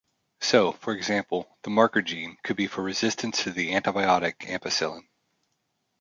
So, for example, the "marker gene" could be for resistance to the antibiotic ampicillin.